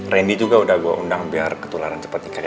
randy juga udah gue undang biar ketularan cepet nih kayak gue